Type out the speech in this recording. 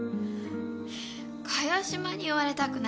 萱島に言われたくないよ。